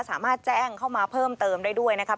สามารถแจ้งเข้ามาเพิ่มเติมได้ด้วยนะครับ